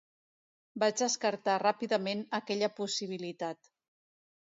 Vaig descartar ràpidament aquella possibilitat.